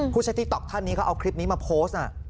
ผู้ใช้ที่ต๊อกท่านนี้เขาเอาคลิปนี้มาโพสต์นะ